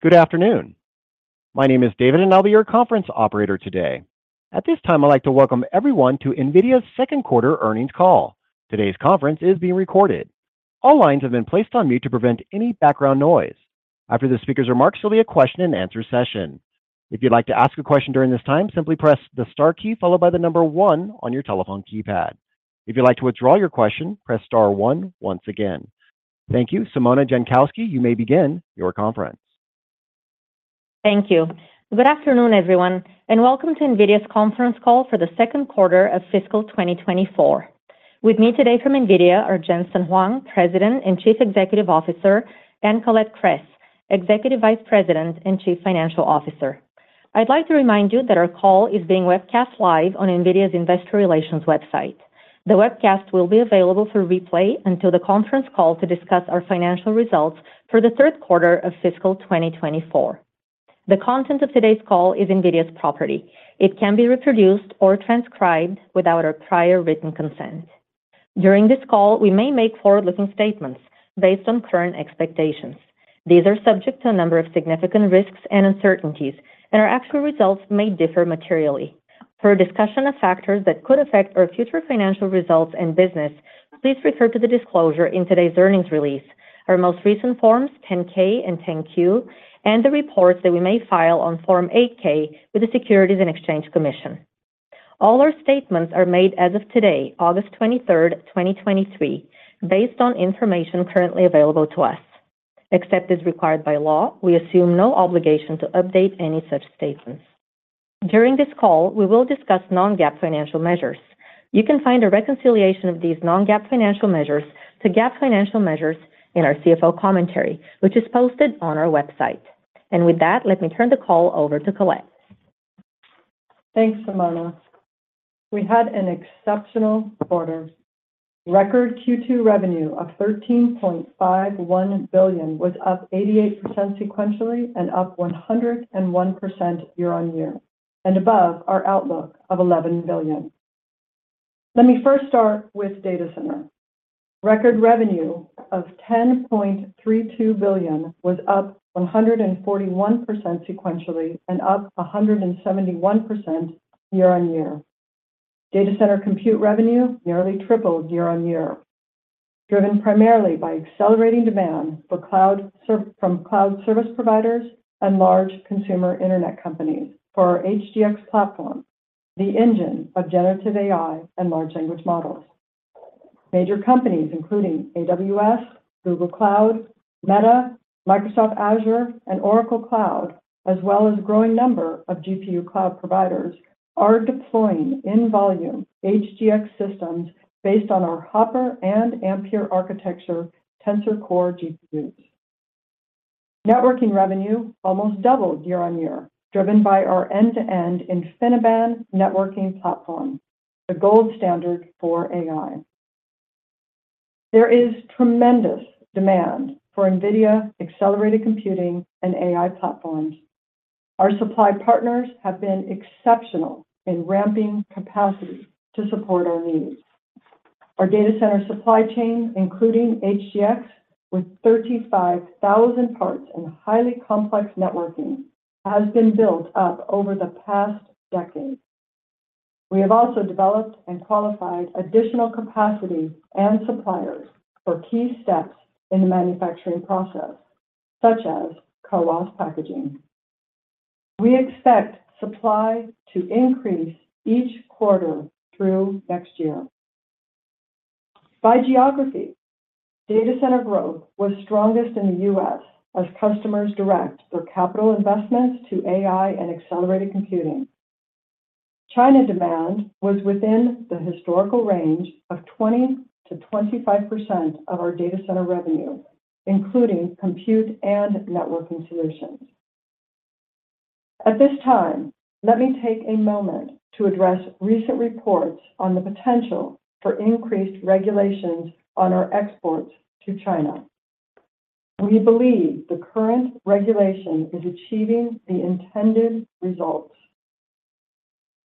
Good afternoon. My name is David, and I'll be your conference operator today. At this time, I'd like to welcome everyone to NVIDIA's second quarter earnings call. Today's conference is being recorded. All lines have been placed on mute to prevent any background noise. After the speaker's remarks, there'll be a question and answer session. If you'd like to ask a question during this time, simply press the star key followed by the number one on your telephone keypad. If you'd like to withdraw your question, press star one once again. Thank you. Simona Jankowski, you may begin your conference. Thank you. Good afternoon, everyone, and welcome to NVIDIA's conference call for the second quarter of fiscal 2024. With me today from NVIDIA are Jensen Huang, President and Chief Executive Officer, and Colette Kress, Executive Vice President and Chief Financial Officer. I'd like to remind you that our call is being webcast live on NVIDIA's Investor Relations website. The webcast will be available for replay until the conference call to discuss our financial results for the third quarter of fiscal 2024. The content of today's call is NVIDIA's property. It can be reproduced or transcribed without our prior written consent. During this call, we may make forward-looking statements based on current expectations. These are subject to a number of significant risks and uncertainties. Our actual results may differ materially. For a discussion of factors that could affect our future financial results and business, please refer to the disclosure in today's earnings release, our most recent forms, Form 10-K and 10-Q, and the reports that we may file on Form 8-K with the Securities and Exchange Commission. All our statements are made as of today, August 23rd, 2023, based on information currently available to us. Except as required by law, we assume no obligation to update any such statements. During this call, we will discuss non-GAAP financial measures. You can find a reconciliation of these non-GAAP financial measures to GAAP financial measures in our CFO commentary, which is posted on our website. With that, let me turn the call over to Colette. Thanks, Simona. We had an exceptional quarter. Record Q2 revenue of $13.51 billion was up 88% sequentially and up 101% year-on-year, and above our outlook of $11 billion. Let me first start with data center. Record revenue of $10.32 billion was up 141% sequentially and up 171% year-on-year. Data center compute revenue nearly tripled year-on-year, driven primarily by accelerating demand from cloud service providers and large consumer internet companies for our HGX platform, the engine of generative AI and large language models. Major companies, including AWS, Google Cloud, Meta, Microsoft Azure, and Oracle Cloud, as well as a growing number of GPU cloud providers, are deploying in volume HGX systems based on our Hopper and Ampere architecture, Tensor Core GPUs. Networking revenue almost doubled year-over-year, driven by our end-to-end InfiniBand networking platform, the gold standard for AI. There is tremendous demand for NVIDIA accelerated computing and AI platforms. Our supply partners have been exceptional in ramping capacity to support our needs. Our data center supply chain, including HGX, with 35,000 parts and highly complex networking, has been built up over the past decade. We have also developed and qualified additional capacity and suppliers for key steps in the manufacturing process, such as CoWoS packaging. We expect supply to increase each quarter through next year. By geography, data center growth was strongest in the U.S. as customers direct their capital investments to AI and accelerated computing. China demand was within the historical range of 20%-25% of our data center revenue, including compute and networking solutions. At this time, let me take a moment to address recent reports on the potential for increased regulations on our exports to China. We believe the current regulation is achieving the intended results.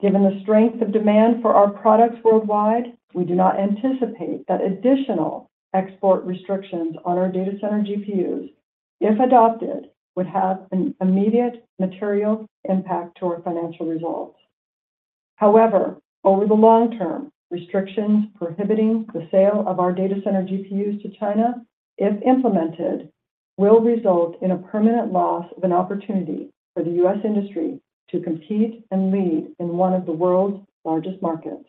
Given the strength of demand for our products worldwide, we do not anticipate that additional export restrictions on our data center GPUs, if adopted, would have an immediate material impact to our financial results. However, over the long term, restrictions prohibiting the sale of our data center GPUs to China, if implemented, will result in a permanent loss of an opportunity for the U.S. industry to compete and lead in one of the world's largest markets.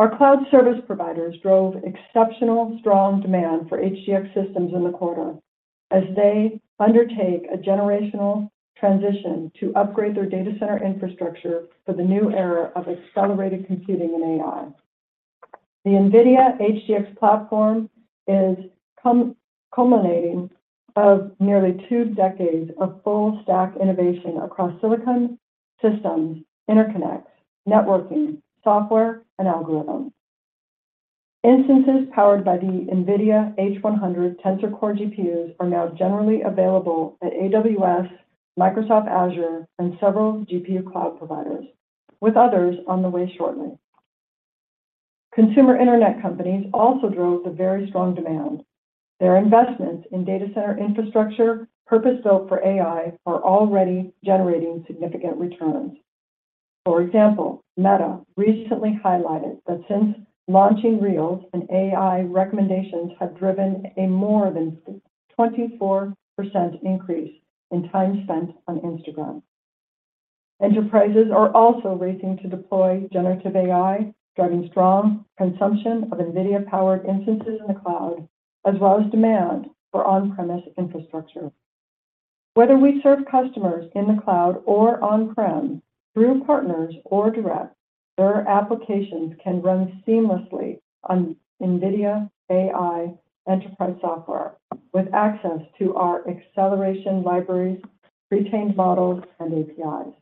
Our cloud service providers drove exceptional, strong demand for HGX systems in the quarter as they undertake a generational transition to upgrade their data center infrastructure for the new era of accelerated computing and AI. The NVIDIA HGX platform is culminating of nearly two decades of full stack innovation across silicon systems, interconnects, networking, software, and algorithms. Instances powered by the NVIDIA H100 Tensor Core GPUs are now generally available at AWS, Microsoft Azure, and several GPU cloud providers, with others on the way shortly. Consumer internet companies also drove the very strong demand. Their investments in data center infrastructure, purpose-built for AI, are already generating significant returns. For example, Meta recently highlighted that since launching Reels and AI, recommendations have driven a more than 24% increase in time spent on Instagram. Enterprises are also racing to deploy generative AI, driving strong consumption of NVIDIA-powered instances in the cloud, as well as demand for on-premise infrastructure. Whether we serve customers in the cloud or on-prem, through partners or direct, their applications can run seamlessly on NVIDIA AI Enterprise software, with access to our acceleration libraries, pre-trained models, and APIs.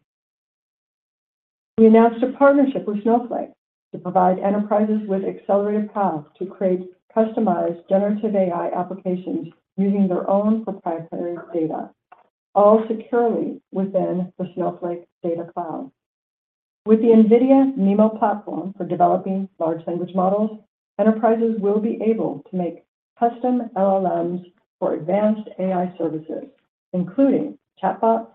We announced a partnership with Snowflake to provide enterprises with accelerated paths to create customized generative AI applications using their own proprietary data, all securely within the Snowflake Data Cloud. With the NVIDIA NeMo platform for developing large language models, enterprises will be able to make custom LLMs for advanced AI services, including chatbots,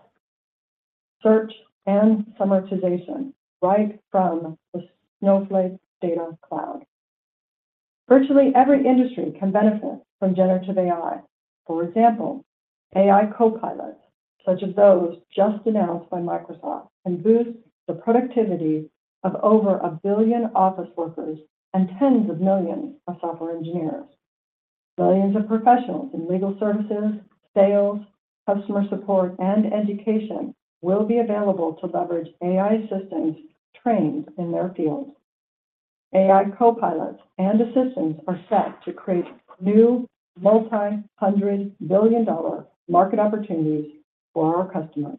search, and summarization, right from the Snowflake Data Cloud. Virtually every industry can benefit from generative AI. For example, AI copilots, such as those just announced by Microsoft, can boost the productivity of over a billion office workers and tens of millions of software engineers. Millions of professionals in legal services, sales, customer support, and education will be available to leverage AI assistants trained in their fields. AI copilots and assistants are set to create new multi-hundred billion-dollar market opportunities for our customers.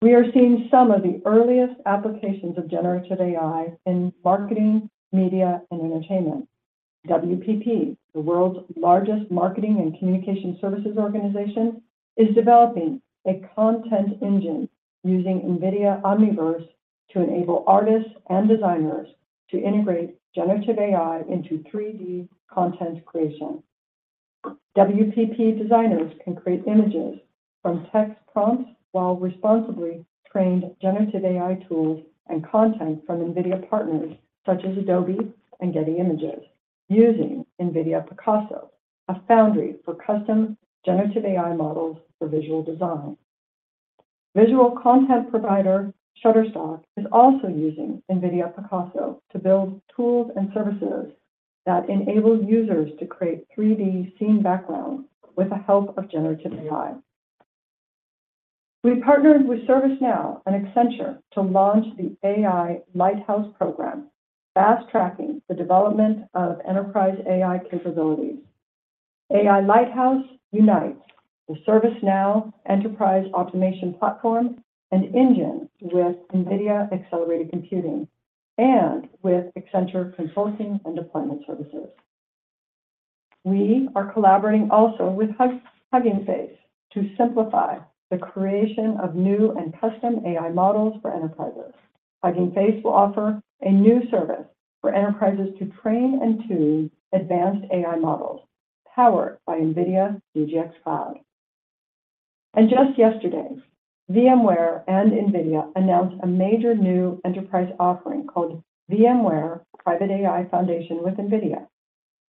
We are seeing some of the earliest applications of generative AI in marketing, media, and entertainment. WPP, the world's largest marketing and communication services organization, is developing a content engine using NVIDIA Omniverse to enable artists and designers to integrate generative AI into 3D content creation. WPP designers can create images from text prompts while responsibly trained generative AI tools and content from NVIDIA partners such as Adobe and Getty Images, using NVIDIA Picasso, a foundry for custom generative AI models for visual design. Visual content provider Shutterstock is also using NVIDIA Picasso to build tools and services that enable users to create 3D scene backgrounds with the help of generative AI. We partnered with ServiceNow and Accenture to launch the AI Lighthouse program, fast-tracking the development of enterprise AI capabilities. AI Lighthouse unites the ServiceNow Enterprise Automation platform and engine with NVIDIA accelerated computing and with Accenture consulting and deployment services. We are collaborating also with Hugging Face to simplify the creation of new and custom AI models for enterprises. Hugging Face will offer a new service for enterprises to train and tune advanced AI models powered by NVIDIA DGX Cloud. Just yesterday, VMware and NVIDIA announced a major new enterprise offering called VMware Private AI Foundation with NVIDIA,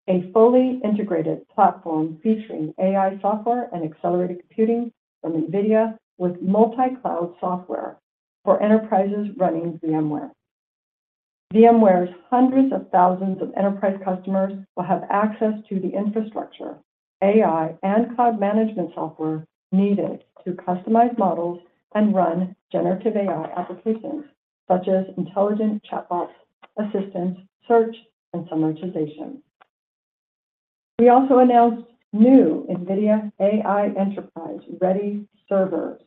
a fully integrated platform featuring AI software and accelerated computing from NVIDIA, with multi-cloud software for enterprises running VMware. VMware's hundreds of thousands of enterprise customers will have access to the infrastructure, AI, and cloud management software needed to customize models and run generative AI applications such as intelligent chatbots, assistants, search, and summarization. We also announced new NVIDIA AI Enterprise Ready Servers,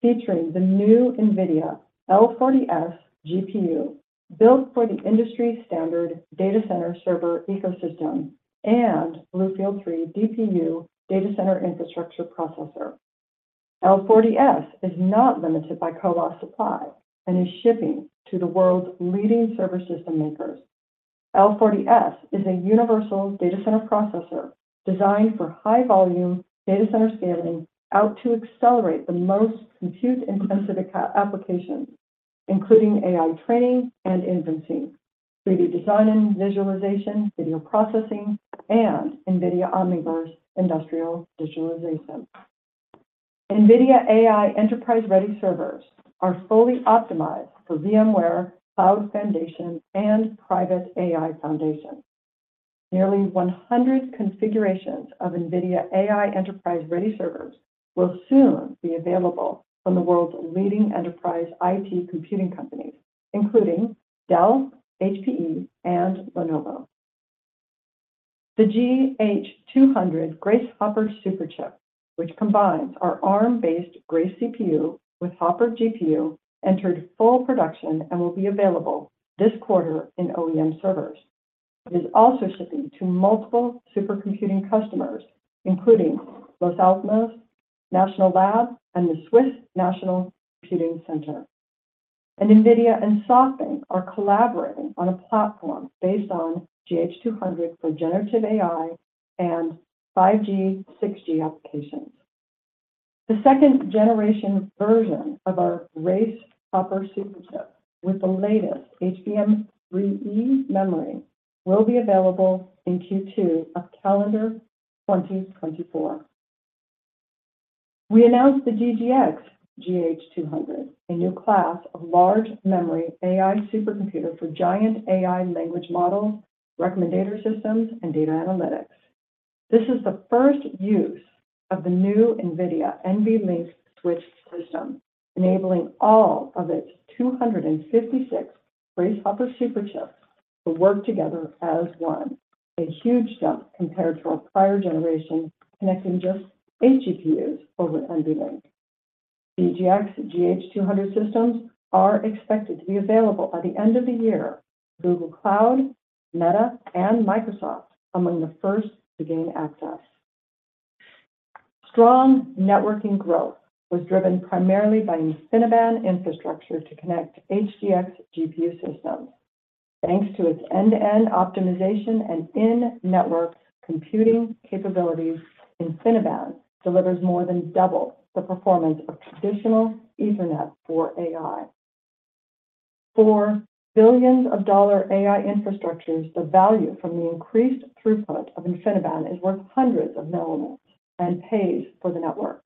featuring the new NVIDIA L40S GPU, built for the industry-standard data center server ecosystem and BlueField-3 DPU data center infrastructure processor. L40S is not limited by CoWoS supply and is shipping to the world's leading server system makers. L40S is a universal data center processor designed for high-volume data center scaling, out to accelerate the most compute-intensive applications, including AI training and inferencing, 3D designing, visualization, video processing, and NVIDIA Omniverse industrial visualization. NVIDIA AI Enterprise Ready Servers are fully optimized for VMware Cloud Foundation and Private AI Foundation. Nearly 100 configurations of NVIDIA AI Enterprise Ready Servers will soon be available from the world's leading enterprise IT computing companies, including Dell, HPE, and Lenovo. The GH200 Grace Hopper Superchip, which combines our Arm-based Grace CPU with Hopper GPU, entered full production and will be available this quarter in OEM servers. It is also shipping to multiple supercomputing customers, including Los Alamos National Laboratory and the Swiss National Supercomputing Centre. NVIDIA and SoftBank are collaborating on a platform based on GH200 for generative AI and 5G, 6G applications. The second-generation version of our Grace Hopper Superchip, with the latest HBM3 memory, will be available in Q2 of calendar 2024. We announced the DGX GH200, a new class of large memory AI supercomputer for giant AI language models, recommender systems, and data analytics. This is the first use of the new NVIDIA NVLink Switch system, enabling all of its 256 Grace Hopper Superchips to work together as one, a huge jump compared to our prior generation, connecting just 8 GPU over NVLink. DGX GH200 systems are expected to be available by the end of the year. Google Cloud, Meta, and Microsoft among the first to gain access. Strong networking growth was driven primarily by InfiniBand infrastructure to connect HGX GPU systems. Thanks to its end-to-end optimization and in-network computing capabilities, InfiniBand delivers more than double the performance of traditional Ethernet for AI. For billions of dollar AI infrastructures, the value from the increased throughput of InfiniBand is worth hundreds of millions and pays for the network.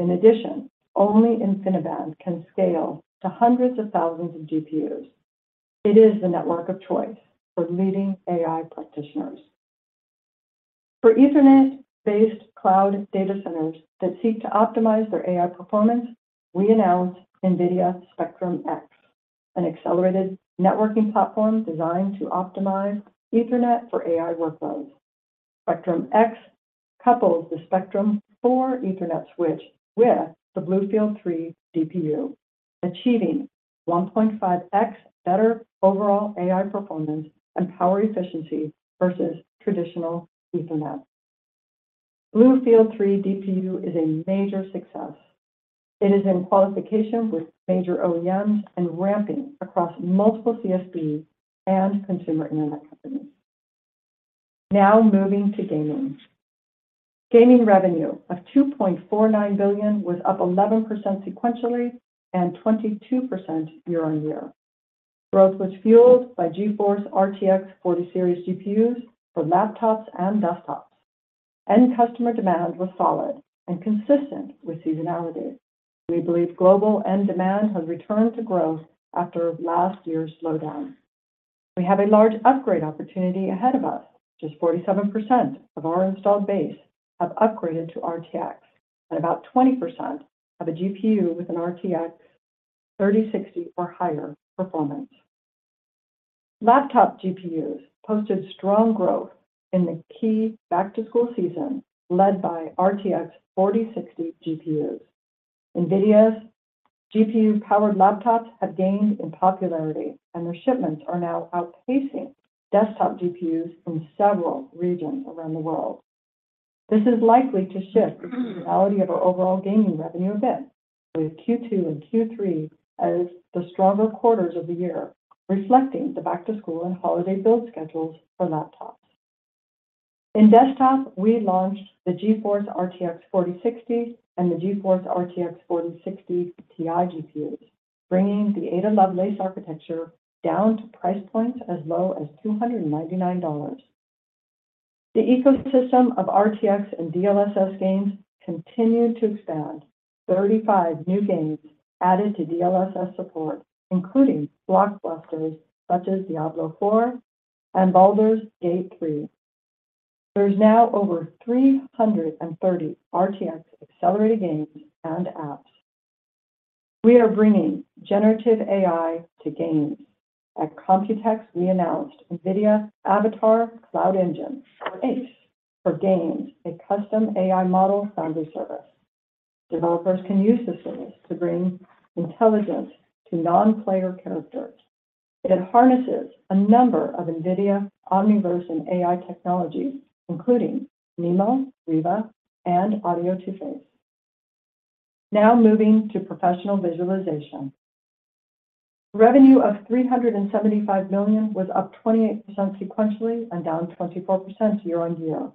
In addition, only InfiniBand can scale to hundreds of thousands of GPUs. It is the network of choice for leading AI practitioners. For Ethernet-based cloud data centers that seek to optimize their AI performance, we announced NVIDIA Spectrum-X, an accelerated networking platform designed to optimize Ethernet for AI workloads. Spectrum-X couples the Spectrum-4 Ethernet switch with the BlueField-3 DPU, achieving 1.5x better overall AI performance and power efficiency versus traditional Ethernet. BlueField-3 DPU is a major success. It is in qualification with major OEMs and ramping across multiple CSPs and consumer internet companies. Moving to gaming. Gaming revenue of $2.49 billion was up 11% sequentially and 22% year-over-year. Growth was fueled by GeForce RTX 40 Series GPUs for laptops and desktops. End customer demand was solid and consistent with seasonality. We believe global end demand has returned to growth after last year's slowdown. We have a large upgrade opportunity ahead of us. Just 47% of our installed base have upgraded to RTX, and about 20% have a GPU with an RTX 3060 or higher performance. Laptop GPUs posted strong growth in the key back-to-school season, led by RTX 4060 GPUs. NVIDIA's GPU-powered laptops have gained in popularity, and their shipments are now outpacing desktop GPUs in several regions around the world. This is likely to shift the reality of our overall gaming revenue a bit, with Q2 and Q3 as the stronger quarters of the year, reflecting the back-to-school and holiday build schedules for laptops. In desktop, we launched the GeForce RTX 4060 and the GeForce RTX 4060 Ti GPUs, bringing the Ada Lovelace architecture down to price points as low as $299. The ecosystem of RTX and DLSS games continued to expand. 35 new games added to DLSS support, including blockbusters such as Diablo IV and Baldur's Gate 3. There is now over 330 RTX accelerated games and apps. We are bringing generative AI to games. At Computex, we announced NVIDIA Avatar Cloud Engine, or ACE, for games, a custom AI model foundry service. Developers can use this service to bring intelligence to non-player characters. It harnesses a number of NVIDIA Omniverse and AI technologies, including NeMo, Riva, and Audio2Face. Now moving to professional visualization. Revenue of $375 million was up 28% sequentially and down 24% year-on-year.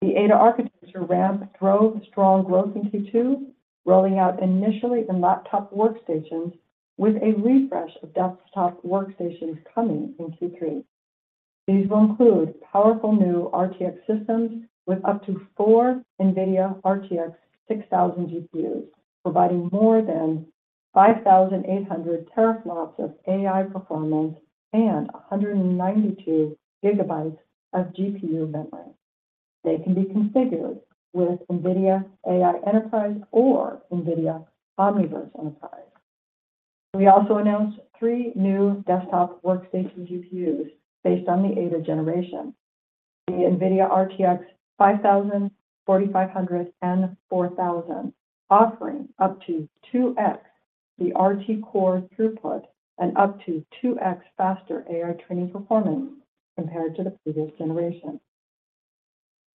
The Ada architecture ramp drove strong growth in Q2, rolling out initially in laptop workstations, with a refresh of desktop workstations coming in Q3. These will include powerful new NVIDIA RTX systems with up to four NVIDIA RTX 6000 GPUs, providing more than 5,800 teraflops of AI performance and 192 GB of GPU memory. They can be configured with NVIDIA AI Enterprise or NVIDIA Omniverse Enterprise. We also announced three new desktop workstation GPUs based on the Ada generation. The NVIDIA RTX 5000, 4500, and 4000, offering up to 2x the RT Core throughput and up to 2x faster AI training performance compared to the previous generation.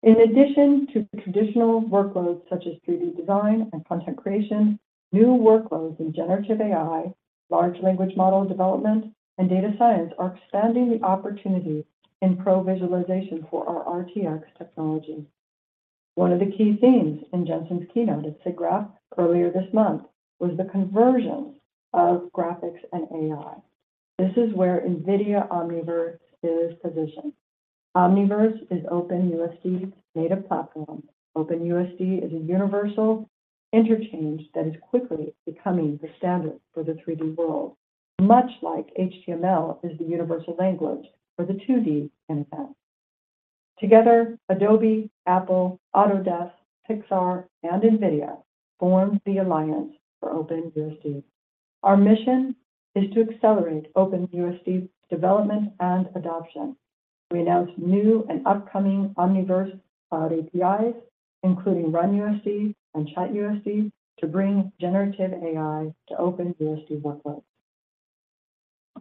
In addition to traditional workloads, such as 3D design and content creation, new workloads in generative AI, large language model development, and data science are expanding the opportunity in pro visualization for our NVIDIA RTX technology. One of the key themes in Jensen's keynote at SIGGRAPH earlier this month was the convergence of graphics and AI. This is where NVIDIA Omniverse is positioned. Omniverse is OpenUSD's native platform. OpenUSD is a universal interchange that is quickly becoming the standard for the 3D world, much like HTML is the universal language for the 2D internet. Together, Adobe, Apple, Autodesk, Pixar, and NVIDIA formed the Alliance for OpenUSD. Our mission is to accelerate OpenUSD's development and adoption. We announced new and upcoming Omniverse Cloud APIs, including RunUSD and ChatUSD, to bring generative AI to OpenUSD workflows.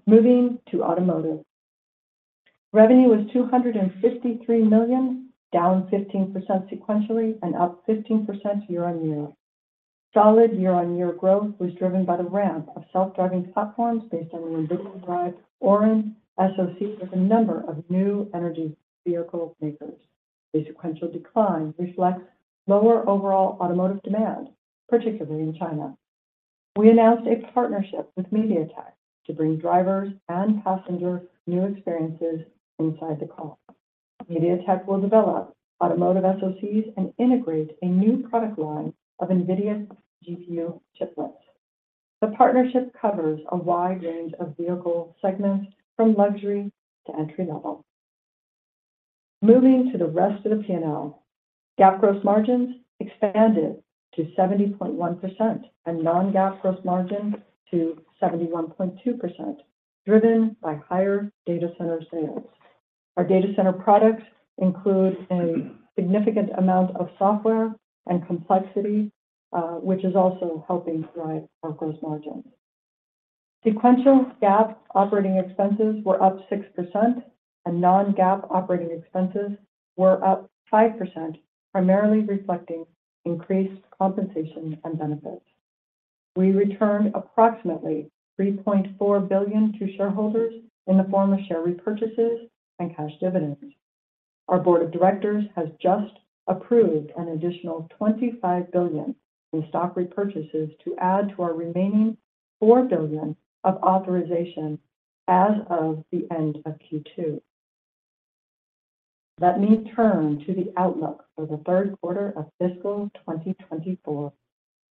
Moving to automotive. Revenue was $253 million, down 15% sequentially and up 15% year-on-year. Solid year-on-year growth was driven by the ramp of self-driving platforms based on the NVIDIA DRIVE Orin SoC with a number of new energy vehicle makers. The sequential decline reflects lower overall automotive demand, particularly in China. We announced a partnership with MediaTek to bring drivers and passengers new experiences inside the car. MediaTek will develop automotive SoCs and integrate a new product line of NVIDIA's GPU chiplets. The partnership covers a wide range of vehicle segments, from luxury to entry-level. Moving to the rest of the P&L. GAAP gross margins expanded to 70.1% and non-GAAP gross margins to 71.2%, driven by higher data center sales. Our data center products include a significant amount of software and complexity, which is also helping drive our gross margins. Sequential GAAP operating expenses were up 6%, and non-GAAP operating expenses were up 5%, primarily reflecting increased compensation and benefits. We returned approximately $3.4 billion to shareholders in the form of share repurchases and cash dividends. Our board of directors has just approved an additional $25 billion in stock repurchases to add to our remaining $4 billion of authorization as of the end of Q2. Let me turn to the outlook for the third quarter of fiscal 2024.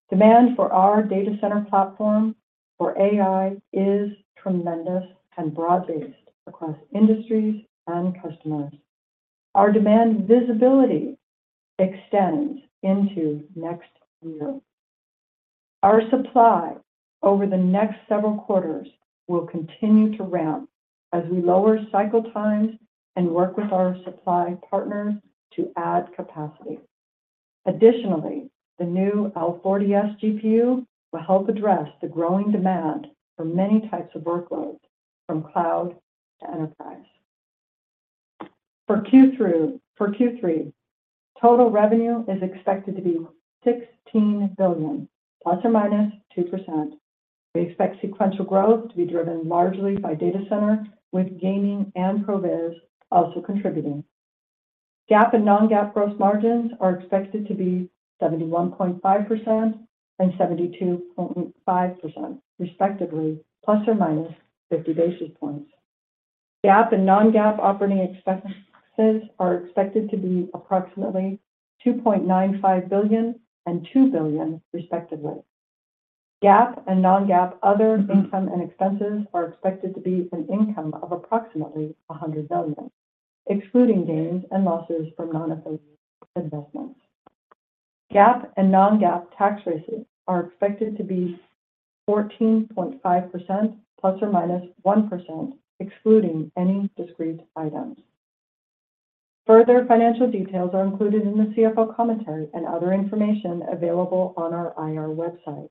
Demand for our data center platform for AI is tremendous and broad-based across industries and customers. Our demand visibility extends into next year. Our supply over the next several quarters will continue to ramp as we lower cycle times and work with our supply partners to add capacity. Additionally, the new L40S GPU will help address the growing demand for many types of workloads, from cloud to enterprise. For Q3, total revenue is expected to be $16 billion, ±2%. We expect sequential growth to be driven largely by data center, with gaming and Pro Viz also contributing. GAAP and non-GAAP gross margins are expected to be 71.5% and 72.5% respectively, ±50 basis points. GAAP and non-GAAP operating expenses are expected to be approximately $2.95 billion and $2 billion, respectively. GAAP and non-GAAP other income and expenses are expected to be an income of approximately $100 billion, excluding gains and losses from non-affiliated investments. GAAP and non-GAAP tax rates are expected to be 14.5% ±1%, excluding any discrete items. Further financial details are included in the CFO commentary and other information available on our IR website.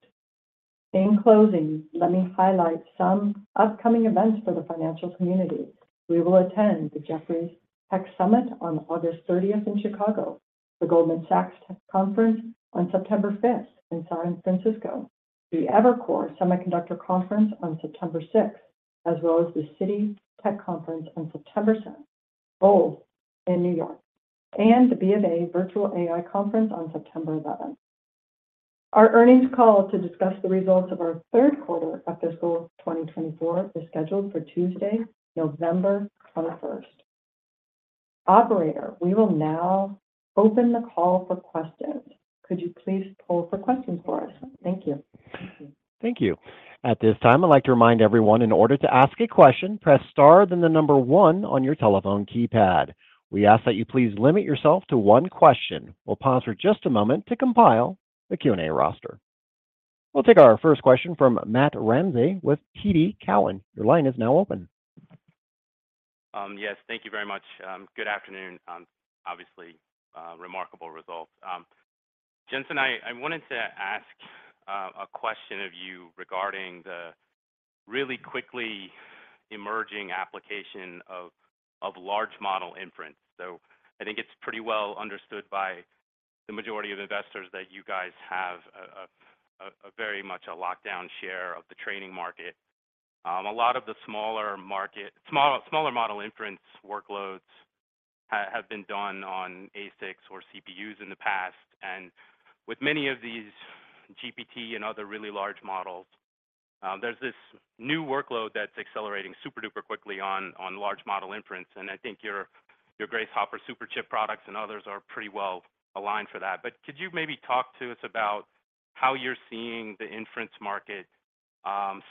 In closing, let me highlight some upcoming events for the financial community. We will attend the Jefferies Tech Summit on August 30th in Chicago, the Goldman Sachs Conference on September 5th in San Francisco, the Evercore Semiconductor Conference on September 6th, as well as the Citi Tech Conference on September 7th, both in New York, and the BofA Virtual AI Conference on September 11th. Our earnings call to discuss the results of our third quarter of fiscal 2024 is scheduled for Tuesday, November 21st. Operator, we will now open the call for questions. Could you please poll for questions for us? Thank you. Thank you. At this time, I'd like to remind everyone in order to ask a question, press star, then the one on your telephone keypad. We ask that you please limit yourself to one question. We'll pause for just a moment to compile the Q&A roster. We'll take our first question from Matt Ramsay with TD Cowen. Your line is now open. Yes, thank you very much. Good afternoon. Obviously, remarkable results. Jensen, I wanted to ask a question of you regarding the really quickly emerging application of large model inference. I think it's pretty well understood by the majority of investors that you guys have a very much a lockdown share of the training market. A lot of the smaller model inference workloads have been done on ASICs or CPUs in the past, and with many of these GPT and other really large models, there's this new workload that's accelerating super-duper quickly on large model inference, and I think your Grace Hopper Superchip products and others are pretty well aligned for that. Could you maybe talk to us about how you're seeing the inference market,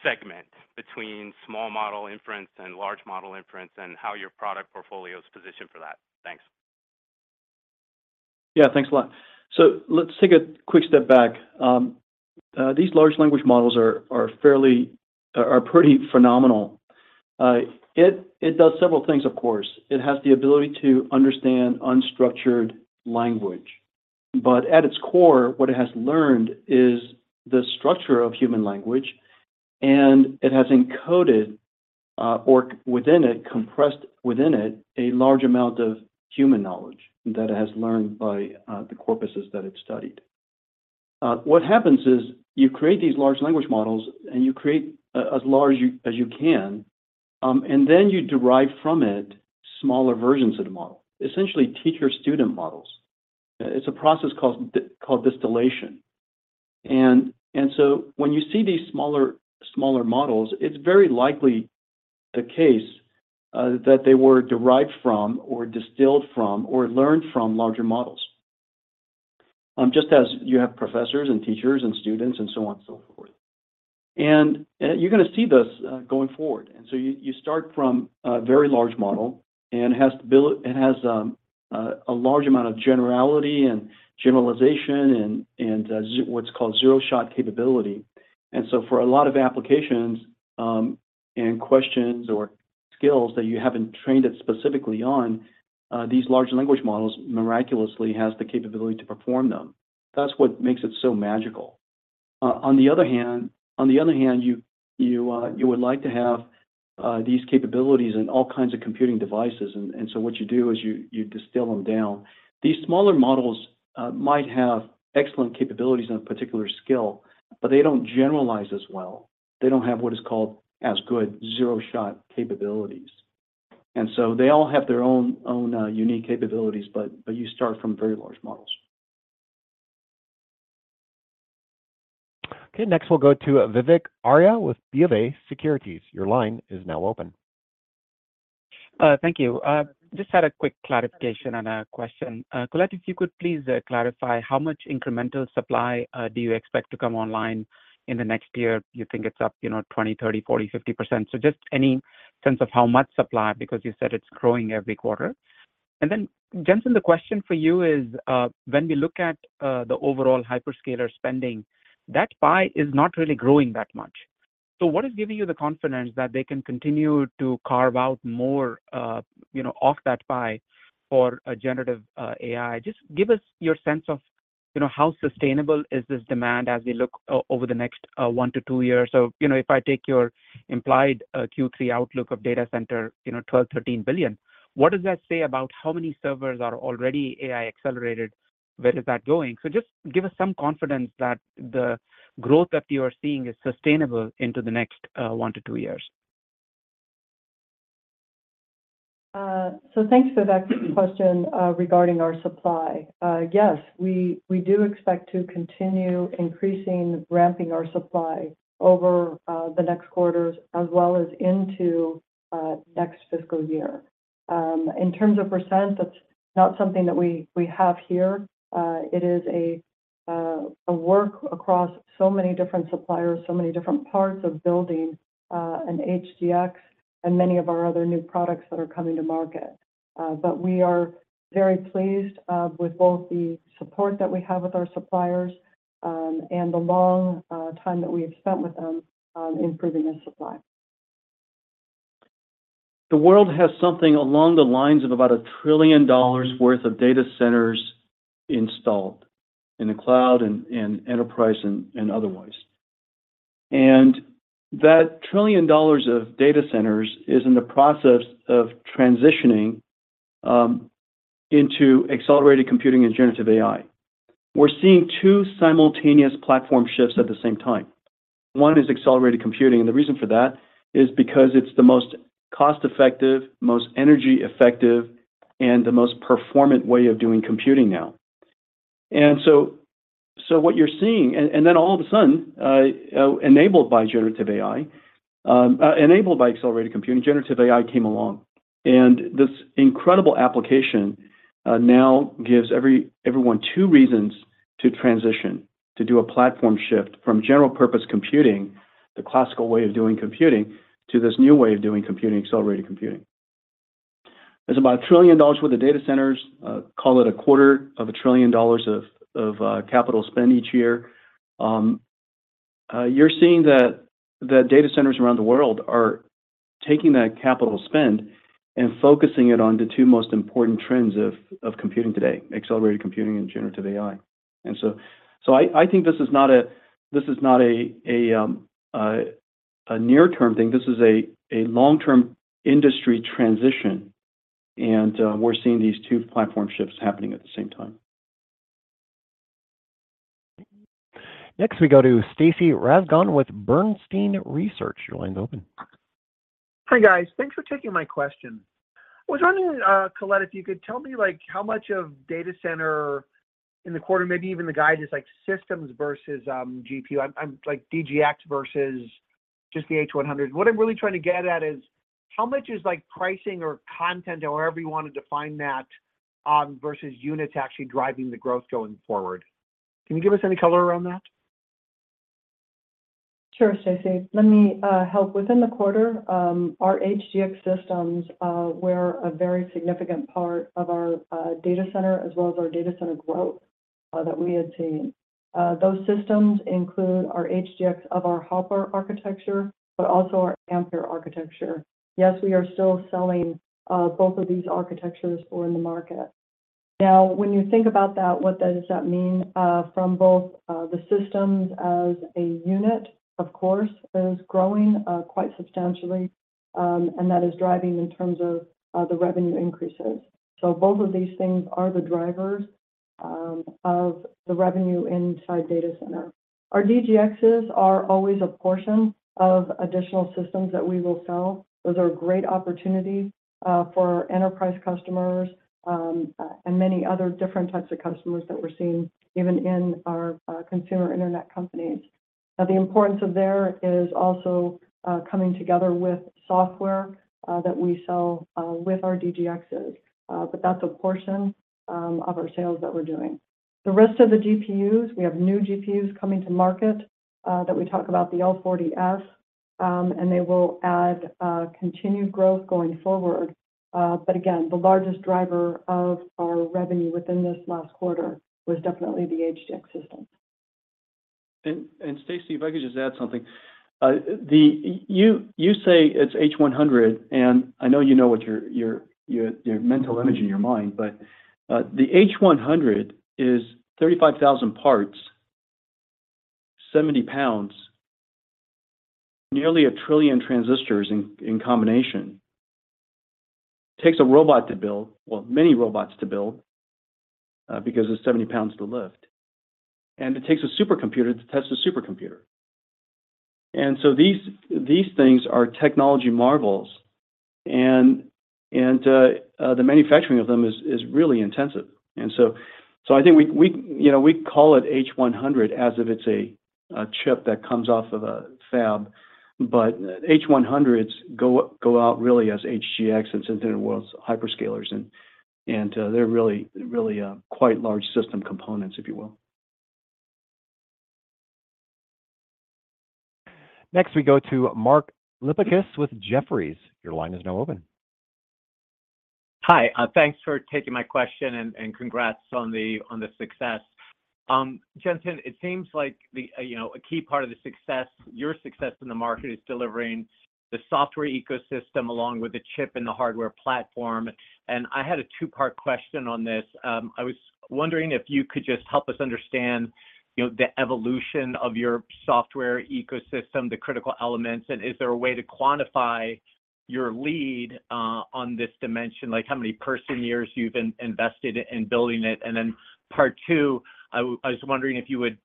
segment between small model inference and large model inference, and how your product portfolio is positioned for that? Thanks. Yeah, thanks a lot. Let's take a quick step back. These large language models are fairly, are pretty phenomenal. It does several things, of course. It has the ability to understand unstructured language, but at its core, what it has learned is the structure of human language, and it has encoded, or within it, compressed within it, a large amount of human knowledge that it has learned by the corpuses that it studied. What happens is, you create these large language models, and you create as large as you can, and then you derive from it smaller versions of the model, essentially, teacher-student models. It's a process called distillation. When you see these smaller, smaller models, it's very likely the case that they were derived from or distilled from or learned from larger models, just as you have professors and teachers and students, and so on and so forth. You're gonna see this going forward. You, you start from a very large model, and it has a large amount of generality and generalization and what's called zero-shot capability. For a lot of applications, and questions or skills that you haven't trained it specifically on, these large language models miraculously has the capability to perform them. That's what makes it so magical. On the other hand, you would like to have these capabilities in all kinds of computing devices, and so what you do is you distill them down. These smaller models might have excellent capabilities in a particular skill, but they don't generalize as well. They don't have what is called as good zero-shot capabilities. So they all have their own, unique capabilities, but you start from very large models. Okay, next, we'll go to Vivek Arya with BofA Securities. Your line is now open. Thank you. Just had a quick clarification on a question. Colette, if you could please clarify how much incremental supply do you expect to come online in the next year? Do you think it's up, you know, 20%, 30%, 40%, 50%? Just any sense of how much supply, because you said it's growing every quarter. Jensen, the question for you is, when we look at the overall hyperscaler spending, that pie is not really growing that much. What is giving you the confidence that they can continue to carve out more, you know, off that pie for a generative AI? Just give us your sense of, you know, how sustainable is this demand as we look over the next one to two years? You know, if I take your implied Q3 outlook of data center, you know, $12 billion-$13 billion, what does that say about how many servers are already AI-accelerated? Where is that going? Just give us some confidence that the growth that you are seeing is sustainable into the next one to two years. Thanks for that question regarding our supply. Yes, we, we do expect to continue increasing, ramping our supply over the next quarters, as well as into next fiscal year. In terms of percent, that's not something that we, we have here. It is a work across so many different suppliers, so many different parts of building an HGX and many of our other new products that are coming to market. We are very pleased with both the support that we have with our suppliers, and the long time that we have spent with them on improving their supply. The world has something along the lines of about $1 trillion worth of data centers installed in the cloud, and enterprise, and otherwise. That $1 trillion of data centers is in the process of transitioning into accelerated computing and generative AI. We're seeing two simultaneous platform shifts at the same time. One is accelerated computing, and the reason for that is because it's the most cost-effective, most energy-effective, and the most performant way of doing computing now. Then all of a sudden, enabled by generative AI, enabled by accelerated computing, generative AI came along, and this incredible application, now gives everyone two reasons to transition, to do a platform shift from general-purpose computing, the classical way of doing computing, to this new way of doing computing, accelerated computing. There's about $1 trillion worth of data centers, call it $250 billion of capital spend each year. You're seeing that, that data centers around the world are taking that capital spend and focusing it on the two most important trends of computing today: accelerated computing and generative AI. I think this is not a, this is not a, a near-term thing, this is a, a long-term industry transition, and we're seeing these two platform shifts happening at the same time. Next, we go to Stacy Rasgon with Bernstein Research. Your line is open. Hi, guys. Thanks for taking my question. I was wondering, Colette, if you could tell me, like, how much of data center in the quarter, maybe even the guide, just like systems versus GPU. I'm, I'm, like, DGX versus just the H100. What I'm really trying to get at is: How much is, like, pricing or content or however you want to define that, versus units actually driving the growth going forward? Can you give us any color around that? Sure, Stacy. Let me help. Within the quarter, our HGX systems were a very significant part of our data center, as well as our data center growth that we had seen. Those systems include our HGX of our Hopper architecture, but also our Ampere architecture. Yes, we are still selling both of these architectures for in the market. Now, when you think about that, what does that mean from both the systems as a unit? Of course, is growing quite substantially, and that is driving in terms of the revenue increases. Both of these things are the drivers of the revenue inside data center. Our DGXs are always a portion of additional systems that we will sell. Those are great opportunities for enterprise customers, and many other different types of customers that we're seeing, even in our consumer internet companies. Now, the importance of there is also coming together with software that we sell with our DGXs, but that's a portion of our sales that we're doing. The rest of the GPUs, we have new GPUs coming to market that we talk about, the L40S, and they will add continued growth going forward. Again, the largest driver of our revenue within this last quarter was definitely the HGX systems. Stacy, if I could just add something. You say it's H100, and I know you know what your, your, your, your mental image in your mind, but the H100 is 35,000 parts, 70 pounds, nearly 1 trillion transistors in, in combination. Takes a robot to build, well, many robots to build because it's 70 pounds to lift, and it takes a supercomputer to test a supercomputer. These, these things are technology marvels, and the manufacturing of them is really intensive. So I think we, we, you know, we call it H100 as if it's a, a chip that comes off of a fab, but H100s go, go out really as HGX into the world's hyperscalers, and they're really, really quite large system components, if you will. Next, we go to Mark Lipacis with Jefferies. Your line is now open. Hi, thanks for taking my question, and, and congrats on the, on the success. Jensen, it seems like the, you know, a key part of the success, your success in the market, is delivering the software ecosystem, along with the chip and the hardware platform, and I had a two-part question on this. I was wondering if you could just help us understand, you know, the evolution of your software ecosystem, the critical elements, and is there a way to quantify your lead on this dimension, like how many person years you've invested in building it? Part two, I was wondering if you would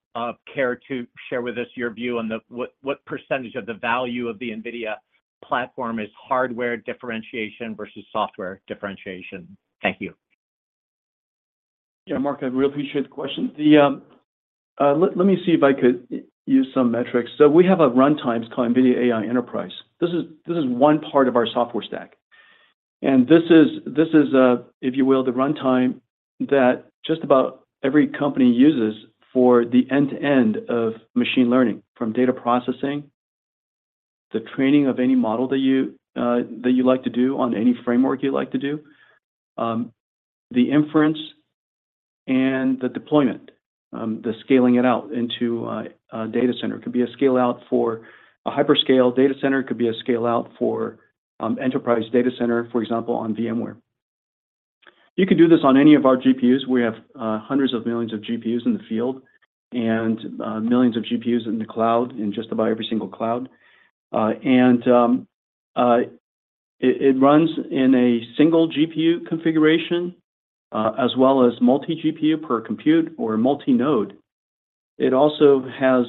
care to share with us your view on the, what, what percentage of the value of the NVIDIA platform is hardware differentiation versus software differentiation. Thank you. Yeah, Mark, I really appreciate the question. The, let me see if I could use some metrics. We have a runtimes called NVIDIA AI Enterprise. This is, this is one part of our software stack. This is, this is, if you will, the runtime that just about every company uses for the end-to-end of machine learning, from data processing, the training of any model that you, that you like to do on any framework you like to do, the inference and the deployment, the scaling it out into a, a data center. It could be a scale-out for a hyperscale data center, it could be a scale-out for, enterprise data center, for example, on VMware. You can do this on any of our GPUs. We have, hundreds of millions of GPUs in the field and, millions of GPUs in the cloud, in just about every single cloud. It, it runs in a single GPU configuration, as well as multi-GPU per compute or multi-node. It also has,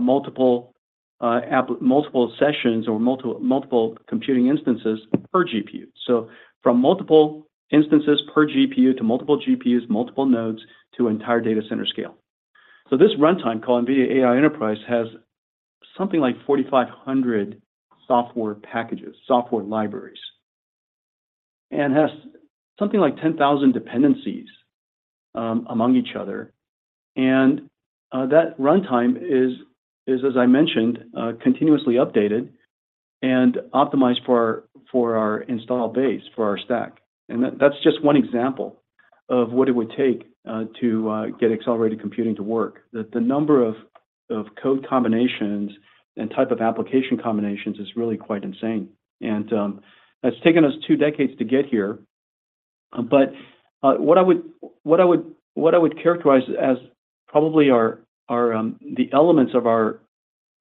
multiple, app, multiple sessions or multiple, multiple computing instances per GPU. So from multiple instances per GPU to multiple GPUs, multiple nodes, to entire data center scale. This runtime, called NVIDIA AI Enterprise, has something like 4,500 software packages, software libraries, and has something like 10,000 dependencies. Among each other. That runtime is, as I mentioned, continuously updated and optimized for our, for our install base, for our stack. That's just one example of what it would take, to get accelerated computing to work. The number of code combinations and type of application combinations is really quite insane. It's taken us two decades to get here. What I would, what I would, what I would characterize as probably our, our, the elements of our,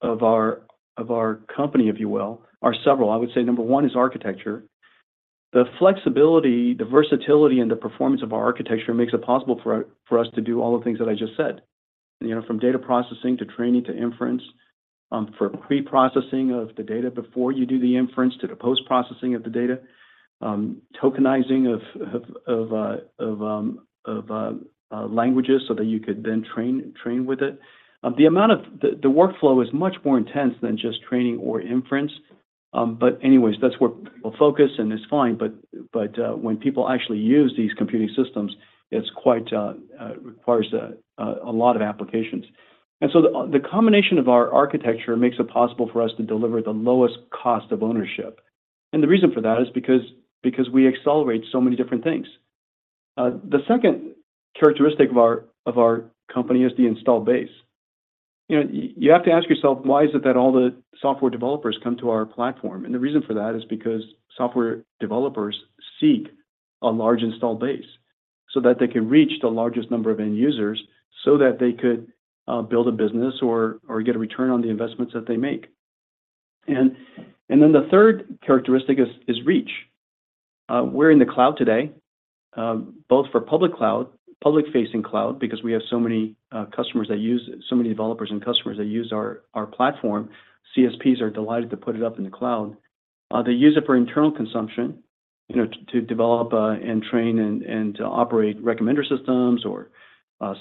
of our, of our company, if you will, are several. I would say number one is architecture. The flexibility, the versatility, and the performance of our architecture makes it possible for us to do all the things that I just said. You know, from data processing to training to inference, for pre-processing of the data before you do the inference, to the post-processing of the data, tokenizing of languages so that you could then train with it. The, the workflow is much more intense than just training or inference. Anyways, that's where people focus, and it's fine, but, but, when people actually use these computing systems, it's quite requires a lot of applications. So the, the combination of our architecture makes it possible for us to deliver the lowest cost of ownership. The reason for that is because, because we accelerate so many different things. The second characteristic of our, of our company is the install base. You know, you have to ask yourself, why is it that all the software developers come to our platform? The reason for that is because software developers seek a large install base, so that they can reach the largest number of end users, so that they could build a business or, or get a return on the investments that they make. The third characteristic is, is reach. We're in the cloud today, both for public cloud, public-facing cloud, because we have so many customers that use so many developers and customers that use our, our platform. CSPs are delighted to put it up in the cloud. They use it for internal consumption, you know, to, to develop and train and, and to operate recommender systems or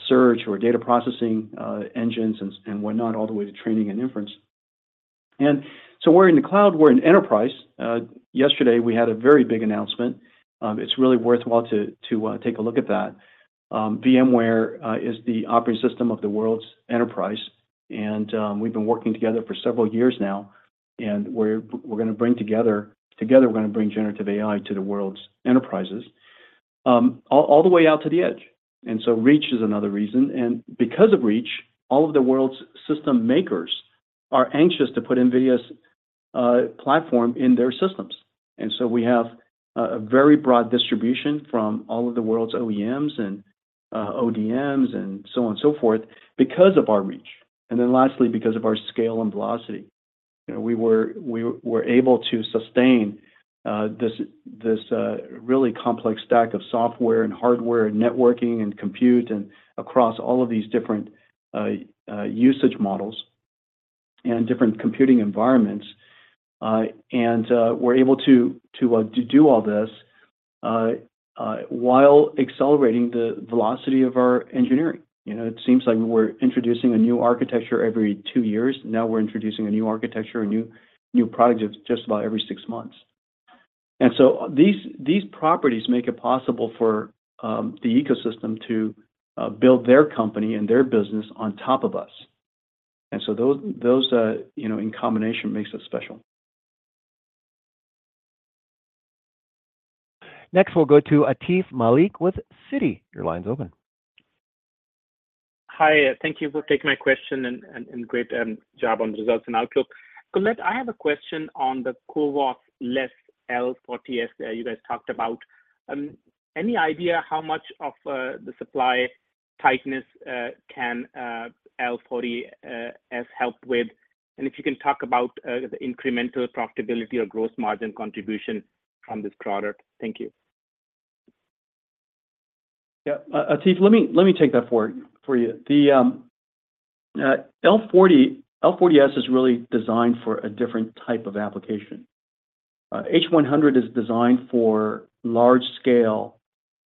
search or data processing engines and, and whatnot, all the way to training and inference. We're in the cloud, we're in enterprise. Yesterday, we had a very big announcement. It's really worthwhile to, to take a look at that. VMware is the operating system of the world's enterprise, and together, we're gonna bring generative AI to the world's enterprises, all the way out to the edge. So reach is another reason, and because of reach, all of the world's system makers are anxious to put NVIDIA's platform in their systems. So we have a, a very broad distribution from all of the world's OEMs and ODMs, and so on and so forth, because of our reach. Then lastly, because of our scale and velocity. You know, we were, we were able to sustain, this, this, really complex stack of software and hardware, networking, and compute, across all of these different, usage models and different computing environments. We're able to, to, to do all this, while accelerating the velocity of our engineering. You know, it seems like we're introducing a new architecture every two years. Now, we're introducing a new architecture, a new, new product just about every six months. These, these properties make it possible for, the ecosystem to, build their company and their business on top of us. Those, those, you know, in combination, makes us special. Next, we'll go to Atif Malik with Citi. Your line's open. Hi, thank you for taking my question, and great job on results and outlook. I have a question on the CoWoS less L40S that you guys talked about. Any idea how much of the supply tightness can L40S help with? If you can talk about the incremental profitability or gross margin contribution from this product. Thank you. Yeah. Atif, let me, let me take that forward for you. The L40S is really designed for a different type of application. H100 is designed for large-scale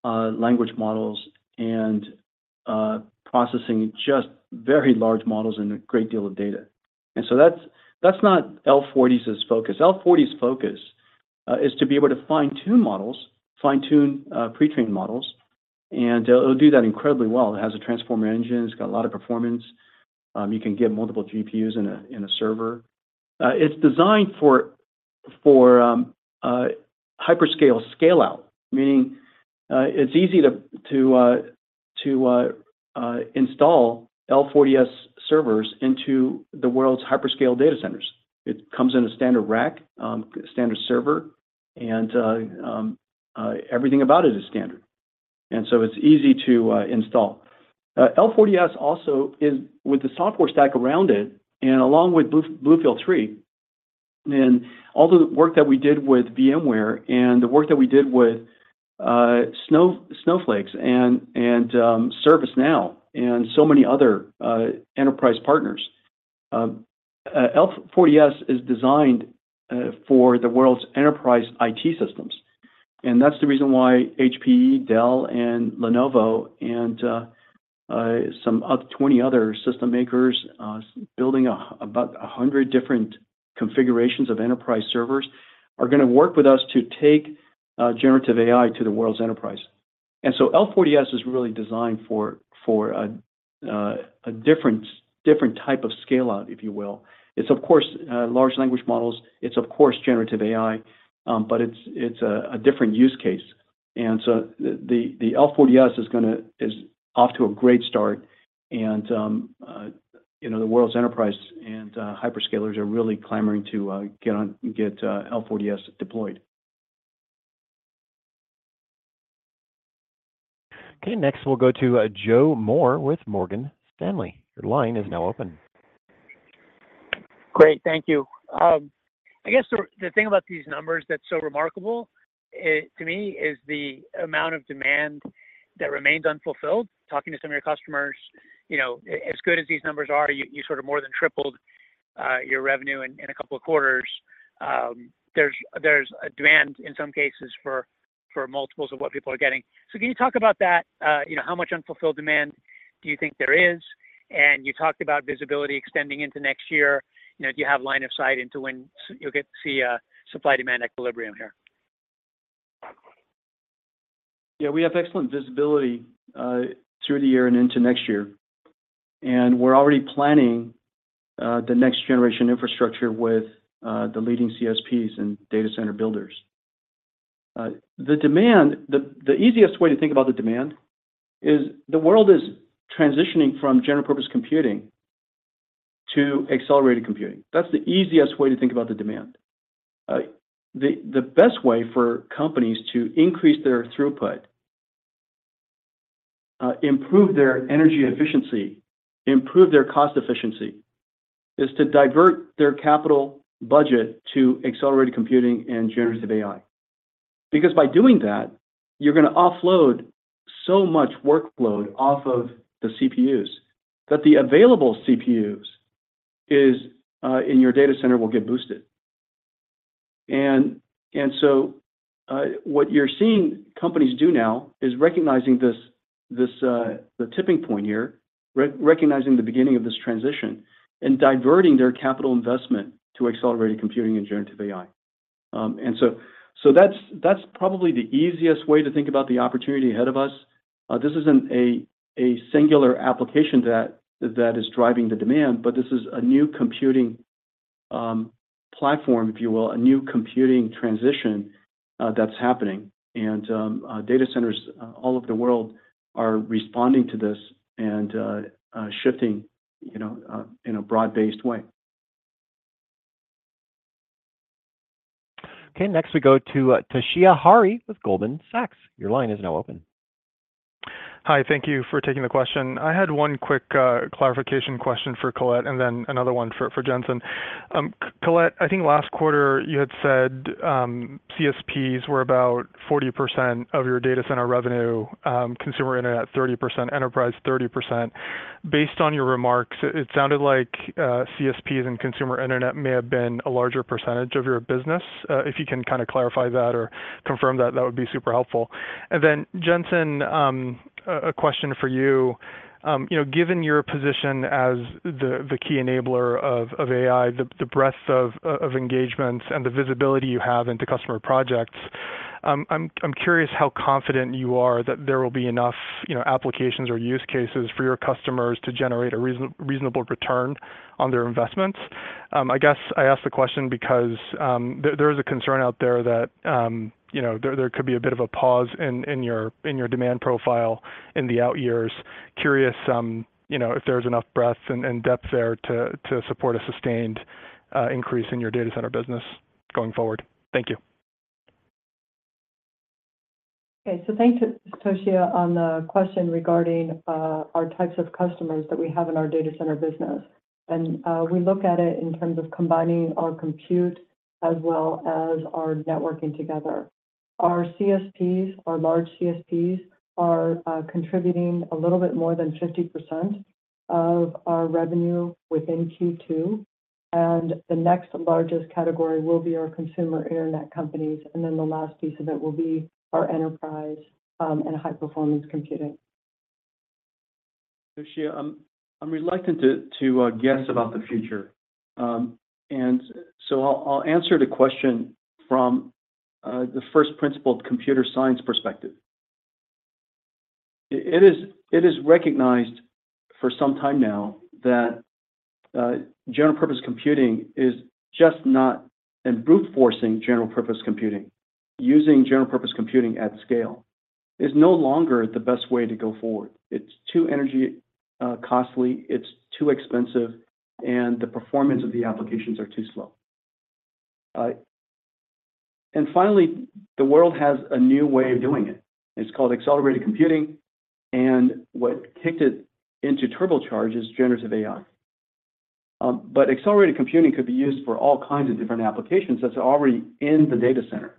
language models and processing just very large models and a great deal of data. That's, that's not L40S's focus. L40S's focus is to be able to fine-tune models, fine-tune pre-trained models, and it'll do that incredibly well. It has a Transformer Engine, it's got a lot of performance. You can get multiple GPUs in a server. It's designed for hyperscale scale-out, meaning it's easy to install L40S servers into the world's hyperscale data centers. It comes in a standard rack, standard server, everything about it is standard, so it's easy to install. L40S also is, with the software stack around it, along with BlueField-3, and all the work that we did with VMware, and the work that we did with Snowflake and ServiceNow, and so many other enterprise partners. L40S is designed for the world's enterprise IT systems, and that's the reason why HPE, Dell, and Lenovo, and some other 20 other system makers, building about 100 different configurations of enterprise servers are going to work with us to take generative AI to the world's enterprise. So L40S is really designed for a different, different type of scale-out, if you will. It's of course, large language models, it's of course, generative AI, but it's, it's a, a different use case. The L40S is off to a great start, and, you know, the world's enterprise and hyperscalers are really clamoring to get on, get L40S deployed. Okay, next, we'll go to Joe Moore with Morgan Stanley. Your line is now open. Great, thank you. I guess the thing about these numbers that's so remarkable to me is the amount of demand that remains unfulfilled. Talking to some of your customers, you know, as good as these numbers are, you, you sort of more than tripled your revenue in a couple of quarters. There's a demand, in some cases, for multiples of what people are getting. Can you talk about that? You know, how much unfulfilled demand do you think there is? You talked about visibility extending into next year. You know, do you have line of sight into when you'll get to see a supply-demand equilibrium here? Yeah, we have excellent visibility through the year and into next year, and we're already planning the next-generation infrastructure with the leading CSPs and data center builders. The easiest way to think about the demand is the world is transitioning from general purpose computing to accelerated computing. That's the easiest way to think about the demand. The best way for companies to increase their throughput, improve their energy efficiency, improve their cost efficiency, is to divert their capital budget to accelerated computing and generative AI. By doing that, you're gonna offload so much workload off of the CPUs, that the available CPUs is in your data center will get boosted. What you're seeing companies do now is recognizing this, this, the tipping point here, re-recognizing the beginning of this transition, and diverting their capital investment to accelerated computing and generative AI. That's, that's probably the easiest way to think about the opportunity ahead of us. This isn't a, a singular application that, that is driving the demand, but this is a new computing platform, if you will, a new computing transition that's happening. Data centers all over the world are responding to this and shifting, you know, in a broad-based way. Okay, next, we go to Toshiya Hari with Goldman Sachs. Your line is now open. Hi, thank you for taking the question. I had one quick clarification question for Colette, and then another one for, for Jensen. Colette, I think last quarter you had said, CSPs were about 40% of your data center revenue, consumer internet, 30%, enterprise, 30%. Based on your remarks, it sounded like CSPs and consumer internet may have been a larger percentage of your business. If you can kinda clarify that or confirm that, that would be super helpful. Then, Jensen, a, a question for you. You know, given your position as the, the key enabler of, of AI, the, the breadth of, of engagements and the visibility you have into customer projects, I'm, I'm curious how confident you are that there will be enough, you know, applications or use cases for your customers to generate a reasonable return on their investments? I guess I ask the question because, there, there is a concern out there that, you know, there, there could be a bit of a pause in, in your, in your demand profile in the out years. Curious, you know, if there's enough breadth and, and depth there to, to support a sustained increase in your data center business going forward. Thank you. Okay, so thanks, Toshiya, on the question regarding our types of customers that we have in our data center business. We look at it in terms of combining our compute as well as our networking together. Our CSPs, our large CSPs, are contributing a little bit more than 50% of our revenue within Q2, the next largest category will be our consumer internet companies, then the last piece of it will be our enterprise and high-performance computing. Toshiya, I'm, I'm reluctant to, to guess about the future. I'll, I'll answer the question from the first principle of computer science perspective. It is, it is recognized for some time now that general purpose computing is just not, brute forcing general purpose computing, using general purpose computing at scale, is no longer the best way to go forward. It's too energy costly, it's too expensive, and the performance of the applications are too slow. Finally, the world has a new way of doing it. It's called accelerated computing, and what kicked it into turbocharge is generative AI. Accelerated computing could be used for all kinds of different applications that's already in the data center.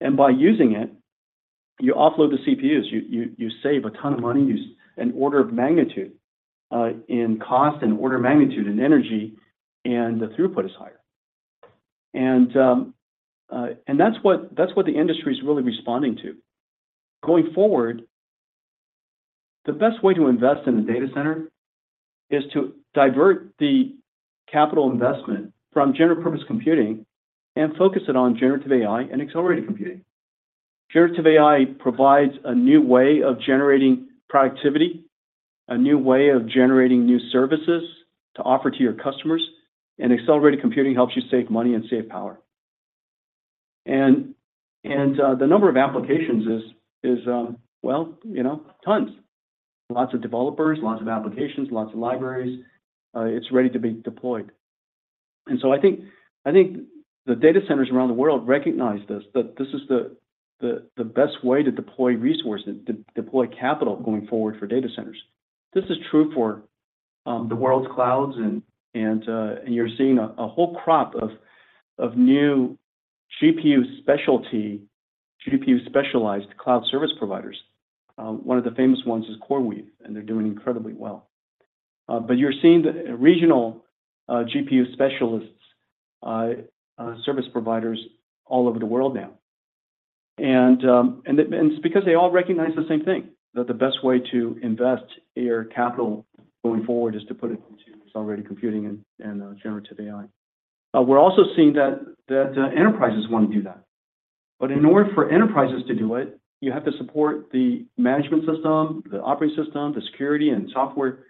By using it, you offload the CPUs, you, you, you save a ton of money, an order of magnitude in cost and order of magnitude in energy, and the throughput is higher. That's what, that's what the industry is really responding to. Going forward. The best way to invest in a data center is to divert the capital investment from general purpose computing and focus it on generative AI and accelerated computing. Generative AI provides a new way of generating productivity, a new way of generating new services to offer to your customers, and accelerated computing helps you save money and save power. The number of applications is, is, well, you know, tons. Lots of developers, lots of applications, lots of libraries. It's ready to be deployed. I think, I think the data centers around the world recognize this, that this is the, the, the best way to deploy resources, to deploy capital going forward for data centers. This is true for the world's clouds, and, and you're seeing a, a whole crop of, of new GPU specialty, GPU-specialized cloud service providers. One of the famous ones is CoreWeave, and they're doing incredibly well. But you're seeing the regional GPU specialists service providers all over the world now. It's because they all recognize the same thing, that the best way to invest your capital going forward is to put it into accelerated computing and, and generative AI. We're also seeing that, that enterprises want to do that. In order for enterprises to do it, you have to support the management system, the operating system, the security and software,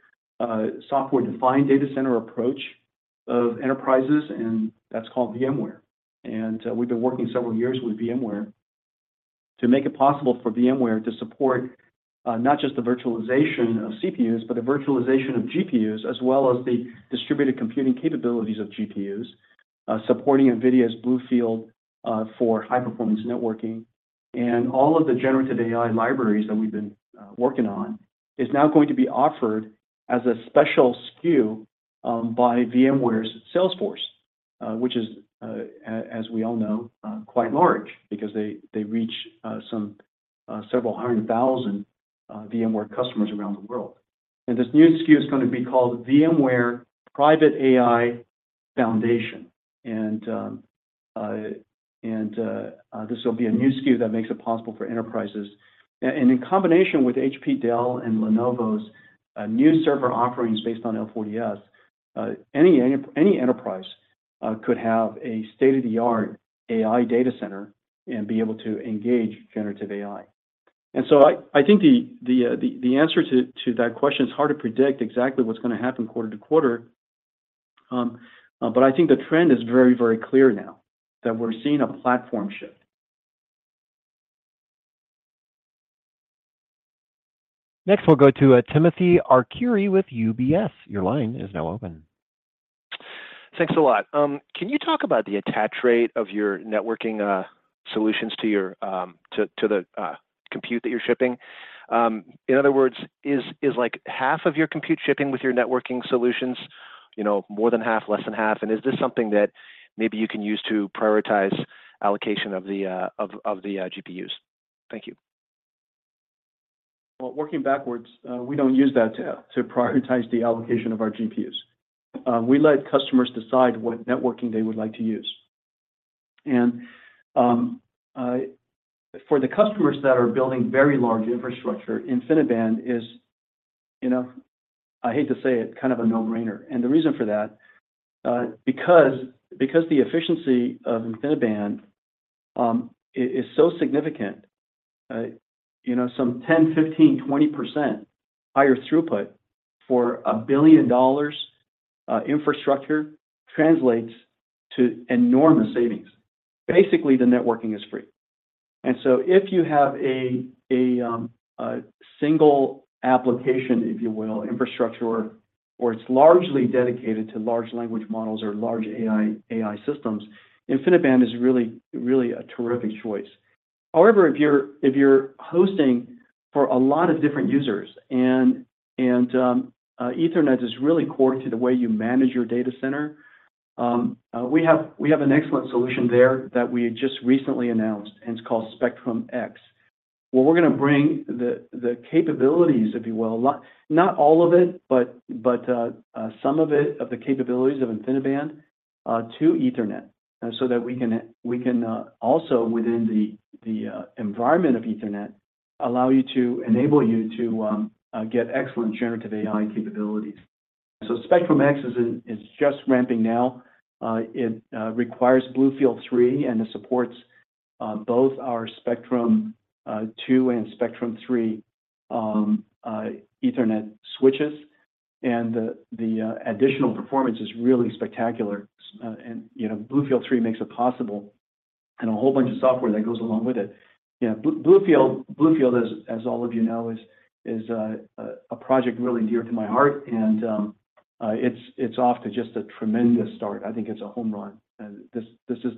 software-defined data center approach of enterprises, and that's called VMware. We've been working several years with VMware to make it possible for VMware to support not just the virtualization of CPUs, but the virtualization of GPUs, as well as the distributed computing capabilities of GPUs, supporting NVIDIA's BlueField for high-performance networking. All of the generative AI libraries that we've been working on is now going to be offered as a special SKU by VMware's sales force, which is, as we all know, quite large because they, they reach some several hundred thousand VMware customers around the world. This new SKU is going to be called VMware Private AI Foundation. This will be a new SKU that makes it possible for enterprises. In combination with HPE, Dell, and Lenovo's new server offerings based on NVIDIA L40S, any enterprise could have a state-of-the-art AI data center and be able to engage generative AI. I think the, the answer to that question is hard to predict exactly what's going to happen quarter to quarter. I think the trend is very, very clear now, that we're seeing a platform shift. Next, we'll go to Timothy Arcuri with UBS. Your line is now open. Thanks a lot. Can you talk about the attach rate of your networking solutions to your to the compute that you're shipping? In other words, is like half of your compute shipping with your networking solutions, you know, more than half, less than half? Is this something that maybe you can use to prioritize allocation of the GPUs? Thank you. Well, working backwards, we don't use that to, to prioritize the allocation of our GPUs. We let customers decide what networking they would like to use. For the customers that are building very large infrastructure, InfiniBand is, you know, I hate to say it, kind of a no-brainer. The reason for that, because, because the efficiency of InfiniBand is, is so significant, you know, some 10%, 15%, 20% higher throughput for $1 billion, infrastructure translates to enormous savings. Basically, the networking is free. If you have a, a, a single application, if you will, infrastructure, or it's largely dedicated to large language models or large AI, AI systems, InfiniBand is really, really a terrific choice. However, if you're, if you're hosting for a lot of different users, and, and Ethernet is really core to the way you manage your data center, we have, we have an excellent solution there that we just recently announced, and it's called Spectrum-X. We're going to bring the, the capabilities, if you will, a lot, not all of it, but, but some of it, of the capabilities of InfiniBand, to Ethernet, so that we can, we can also within the, the environment of Ethernet, allow you to enable you to get excellent generative AI capabilities. Spectrum-X is, is just ramping now. It requires BlueField-3, and it supports both our Spectrum-2 and Spectrum-3 Ethernet switches. The, the additional performance is really spectacular. You know, BlueField-3 makes it possible, and a whole bunch of software that goes along with it. You know, BlueField, BlueField, as, as all of you know, is, is a project really dear to my heart, and it's, it's off to just a tremendous start. I think it's a home run. This, this is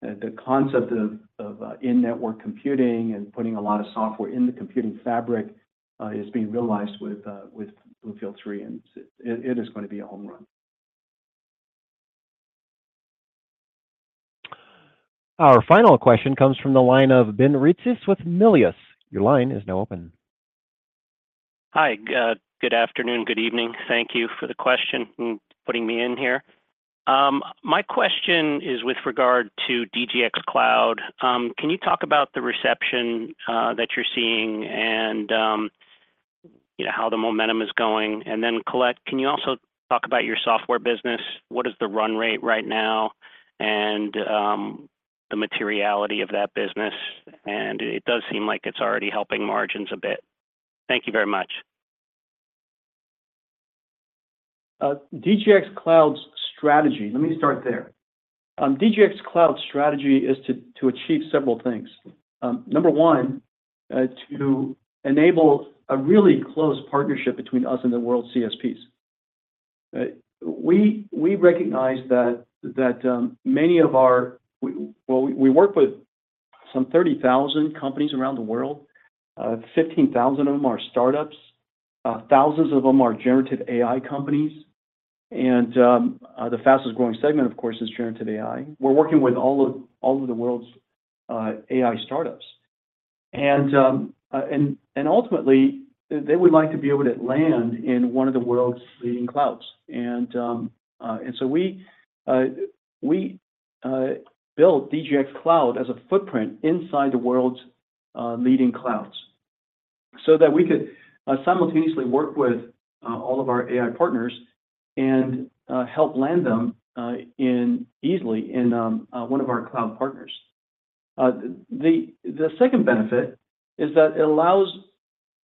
the concept of in-network computing and putting a lot of software in the computing fabric, is being realized with BlueField-3, and it, it is going to be a home run. Our final question comes from the line of Ben Reitzes with Melius. Your line is now open. Hi, good afternoon, good evening. Thank you for the question and putting me in here. My question is with regard to DGX Cloud. Can you talk about the reception that you're seeing and, you know, how the momentum is going? Colette, can you also talk about your software business? What is the run rate right now and the materiality of that business? It does seem like it's already helping margins a bit. Thank you very much. DGX Cloud's strategy, let me start there. DGX Cloud's strategy is to, to achieve several things. Number one, to enable a really close partnership between us and the world CSPs. We, we recognize that, that many of our, we, well, we work with some 30,000 companies around the world. 15,000 of them are startups, thousands of them are generative AI companies, and the fastest-growing segment, of course, is generative AI. We're working with all of, all of the world's AI startups. Ultimately, they would like to be able to land in one of the world's leading clouds. So we built DGX Cloud as a footprint inside the world's leading clouds so that we could simultaneously work with all of our AI partners and help land them easily in one of our cloud partners. The second benefit is that it allows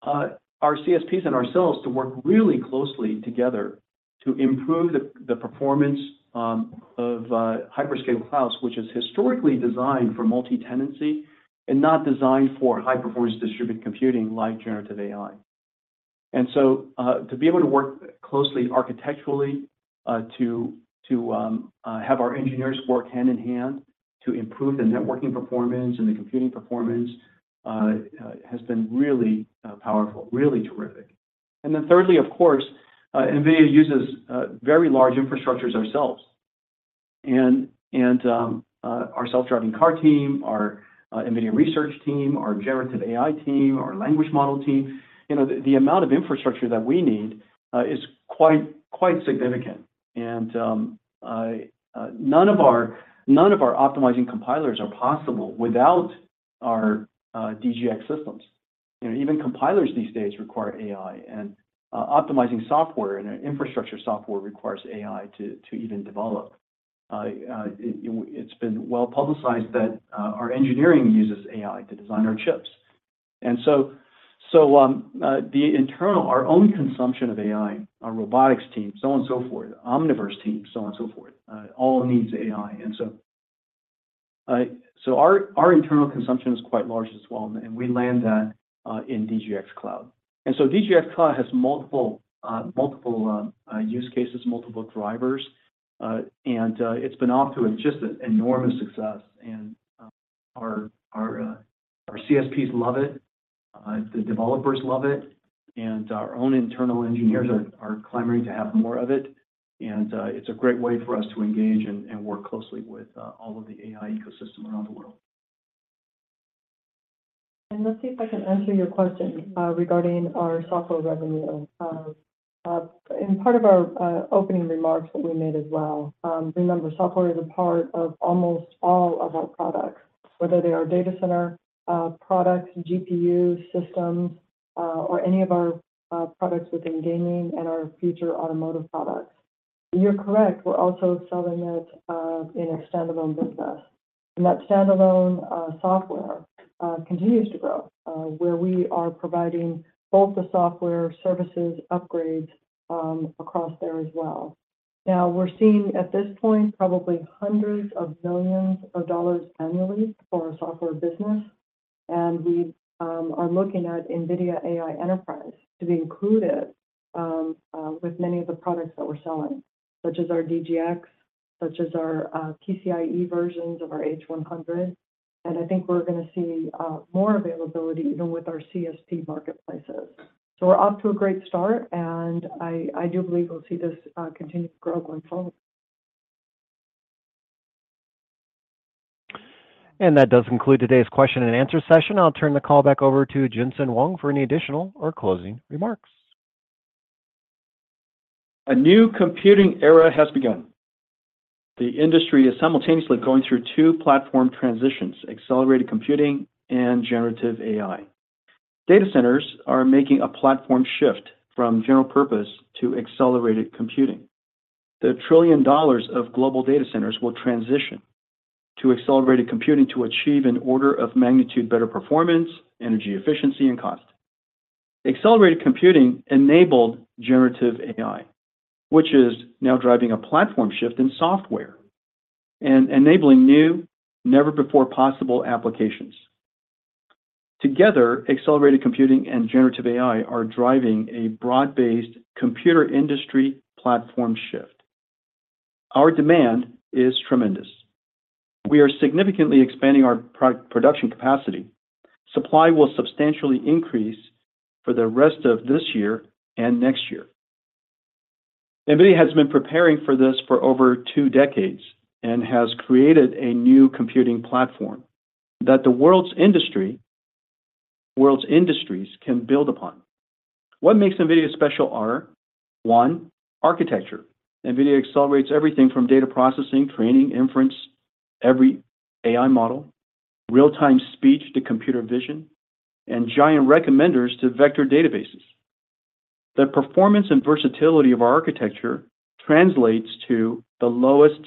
our CSPs and ourselves to work really closely together to improve the performance of hyperscale clouds, which is historically designed for multi-tenancy and not designed for high-performance distributed computing, like generative AI. To be able to work closely architecturally, to have our engineers work hand in hand to improve the networking performance and the computing performance has been really powerful, really terrific. Thirdly, of course, NVIDIA uses very large infrastructures ourselves. Our self-driving car team, our NVIDIA research team, our generative AI team, our language model team, you know, the amount of infrastructure that we need is quite, quite significant. None of our, none of our optimizing compilers are possible without our DGX systems. You know, even compilers these days require AI, and optimizing software and infrastructure software requires AI to, to even develop. It's been well-publicized that our engineering uses AI to design our chips. The internal-- our own consumption of AI, our robotics team, so on and so forth, Omniverse team, so on and so forth, all needs AI. Our, our internal consumption is quite large as well, and we land that in DGX Cloud. So DGX Cloud has multiple, multiple use cases, multiple drivers, and it's been off to just an enormous success, and our, our CSPs love it, the developers love it, and our own internal engineers are clamoring to have more of it. It's a great way for us to engage and work closely with all of the AI ecosystem around the world. Let's see if I can answer your question regarding our software revenue. In part of our opening remarks that we made as well, remember, software is a part of almost all of our products, whether they are data center products, GPUs, systems, or any of our products within gaming and our future automotive products. You're correct, we're also selling it in a standalone business, and that standalone software continues to grow where we are providing both the software services upgrades across there as well. Now, we're seeing, at this point, probably hundreds of millions of dollars annually for our software business, and we are looking at NVIDIA AI Enterprise to be included with many of the products that we're selling, such as our DGX, such as our PCIe versions of our H100. I think we're gonna see more availability even with our CSP marketplaces. We're off to a great start, and I, I do believe we'll see this continue to grow going forward. That does conclude today's question and answer session. I'll turn the call back over to Jensen Huang for any additional or closing remarks. A new computing era has begun. The industry is simultaneously going through two platform transitions: accelerated computing and generative AI. Data centers are making a platform shift from general purpose to accelerated computing. The trillion dollars of global data centers will transition to accelerated computing to achieve an order of magnitude, better performance, energy efficiency, and cost. Accelerated computing enabled generative AI, which is now driving a platform shift in software and enabling new, never-before-possible applications. Together, accelerated computing and generative AI are driving a broad-based computer industry platform shift. Our demand is tremendous. We are significantly expanding our production capacity. Supply will substantially increase for the rest of this year and next year. NVIDIA has been preparing for this for over two decades and has created a new computing platform that the world's industries can build upon. What makes NVIDIA special are: one, architecture. NVIDIA accelerates everything from data processing, training, inference, every AI model, real-time speech to computer vision, and giant recommenders to vector databases. The performance and versatility of our architecture translates to the lowest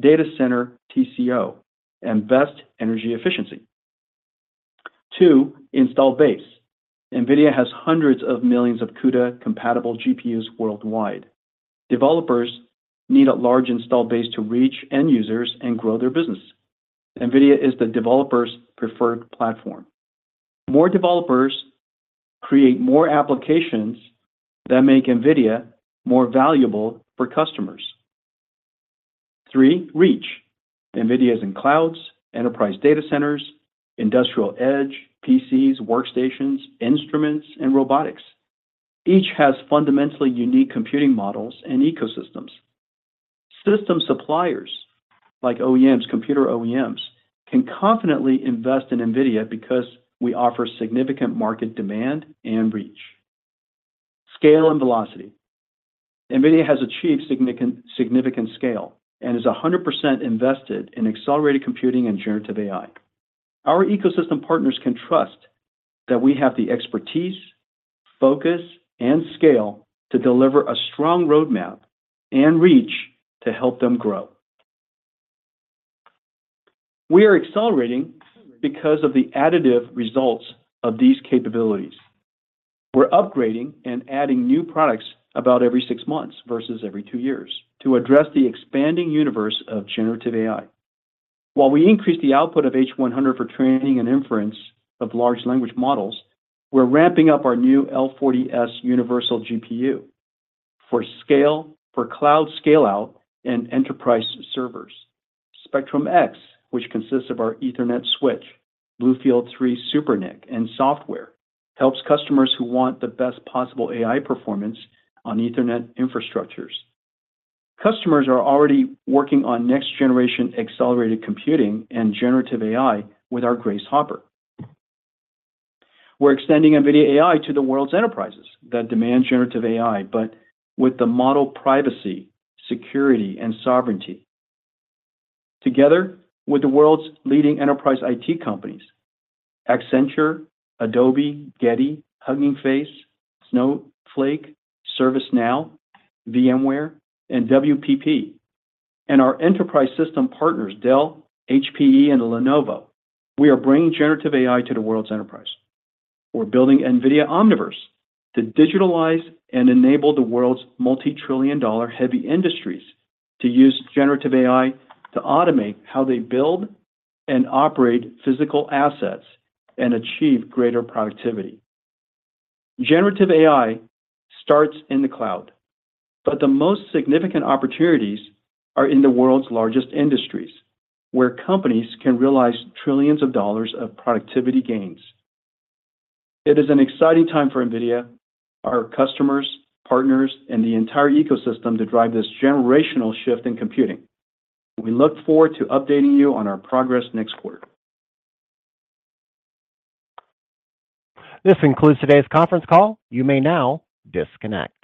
data center TCO and best energy efficiency. Two. Install base. NVIDIA has hundreds of millions of CUDA-compatible GPUs worldwide. Developers need a large install base to reach end users and grow their business. NVIDIA is the developer's preferred platform. More developers create more applications that make NVIDIA more valuable for customers. Three. Reach. NVIDIA is in clouds, enterprise data centers, industrial edge, PCs, workstations, instruments, and robotics. Each has fundamentally unique computing models and ecosystems. System suppliers, like OEMs, computer OEMs, can confidently invest in NVIDIA because we offer significant market demand and reach. Scale and velocity. NVIDIA has achieved significant, significant scale and is 100% invested in accelerated computing and generative AI. Our ecosystem partners can trust that we have the expertise, focus, and scale to deliver a strong roadmap and reach to help them grow. We are accelerating because of the additive results of these capabilities. We're upgrading and adding new products about every six months versus every two years to address the expanding universe of generative AI. While we increase the output of H100 for training and inference of large language models, we're ramping up our new L40S universal GPU for cloud scale-out and enterprise servers. Spectrum-X, which consists of our Ethernet switch, BlueField-3 SuperNIC, and software, helps customers who want the best possible AI performance on Ethernet infrastructures. Customers are already working on next-generation accelerated computing and generative AI with our Grace Hopper. We're extending NVIDIA AI to the world's enterprises that demand generative AI, but with the model privacy, security, and sovereignty. Together with the world's leading enterprise IT companies, Accenture, Adobe, Getty, Hugging Face, Snowflake, ServiceNow, VMware, and WPP, and our enterprise system partners, Dell, HPE, and Lenovo, we are bringing generative AI to the world's enterprise. We're building NVIDIA Omniverse to digitalize and enable the world's multi-trillion dollar heavy industries to use generative AI to automate how they build and operate physical assets and achieve greater productivity. Generative AI starts in the cloud, but the most significant opportunities are in the world's largest industries, where companies can realize trillions of dollars of productivity gains. It is an exciting time for NVIDIA, our customers, partners, and the entire ecosystem to drive this generational shift in computing. We look forward to updating you on our progress next quarter. This concludes today's conference call. You may now disconnect.